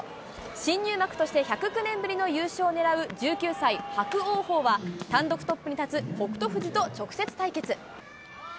新入幕として１０９年ぶりの優勝を狙う１９歳、伯桜鵬は単独トップに立つ北勝富士と直接対決。